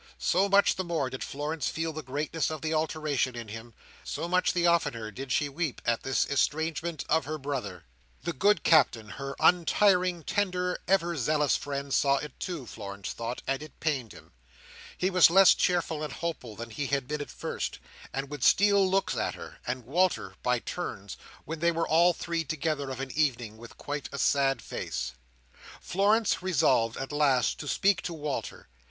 So much the more did Florence feel the greatness of the alteration in him; so much the oftener did she weep at this estrangement of her brother. The good Captain—her untiring, tender, ever zealous friend—saw it, too, Florence thought, and it pained him. He was less cheerful and hopeful than he had been at first, and would steal looks at her and Walter, by turns, when they were all three together of an evening, with quite a sad face. Florence resolved, at last, to speak to Walter.